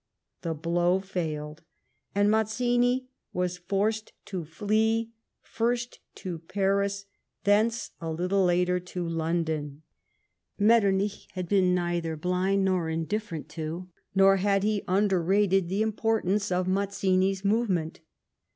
The blow failed, and Mazzini was forced to flee, first to Paris ; thence, a little later, to London. 174 LIFE OF PniNCE METTEBNICH. Metternich had been neither hlhid nor indifferent to, nor had he nnderrated the importance of, Mazzini's movement.